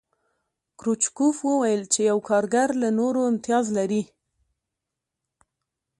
کرو چکوف وویل چې یو کارګر له نورو امتیاز لري